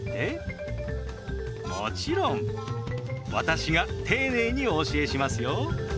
もちろん私が丁寧にお教えしますよ。